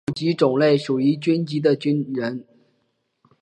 所谓的军户就是其户籍种类属于军籍的军人。